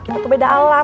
kita tuh beda alam